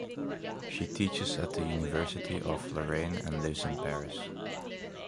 She teaches at the University of Lorraine and lives in Paris.